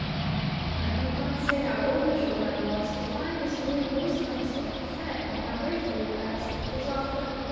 I need not say how overjoyed I was to find this new and most unexpected friend, and how gratefully I accepted his offer.